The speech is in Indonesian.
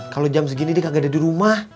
kalau jam segini dia gak ada di rumah